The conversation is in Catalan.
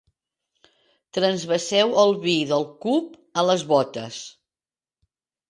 Transvaseu el vi del cup a les botes.